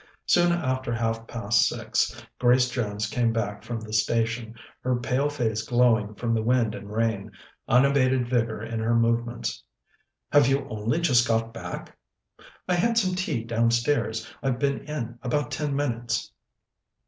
Soon after half past six Grace Jones came back from the station, her pale face glowing from the wind and rain, unabated vigour in her movements. "Have you only just got back?" "I had some tea downstairs. I've been in about ten minutes."